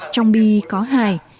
trong bi có hài